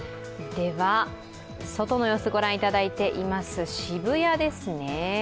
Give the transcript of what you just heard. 外の様子、御覧いただいています渋谷ですね。